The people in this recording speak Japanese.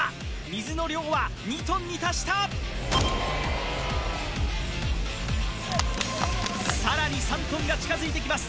水の量は２ｔに達したさらに３ｔが近づいてきます